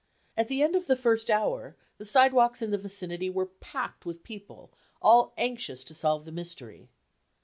At the end of the first hour, the sidewalks in the vicinity were packed with people all anxious to solve the mystery.